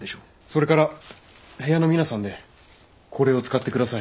それから部屋の皆さんでこれを使って下さい。